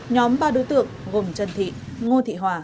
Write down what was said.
nhóm ba đối tượng gồm trần thị ngô thị hòa